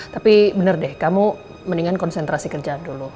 tapi bener deh kamu mendingan konsentrasi kerja dulu